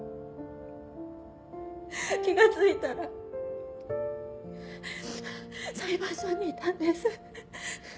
気がついたら裁判所にいたんです。